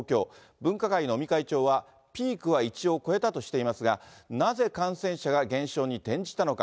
分科会の尾身会長は、ピークは一応越えたとしていますが、なぜ感染者が減少に転じたのか。